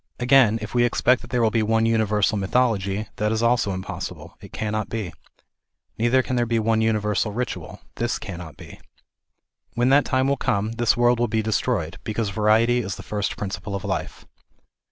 Again, if we expect that there will be one universal mythology, that is also impossible, it cannot be. Neither can there be one universal ritual. This cannot be. When that time will come, this world will be destroyed, because variety is the first principle of life.